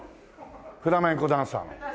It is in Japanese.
フラメンコダンサーの。